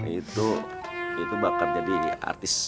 itu bakal jadi artis